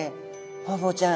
ホウボウちゃん